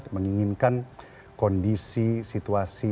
menginginkan kondisi situasi